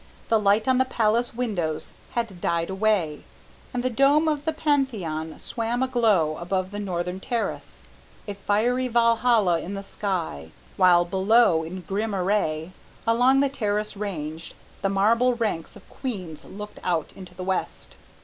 The light on the Palace windows had died away, and the dome of the Pantheon swam aglow above the northern terrace, a fiery Valhalla in the sky; while below in grim array, along the terrace ranged, the marble ranks of queens looked out into the west.